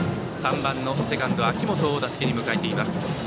３番セカンド、秋元を打席に迎えています。